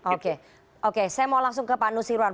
oke oke saya mau langsung ke pak nusirwan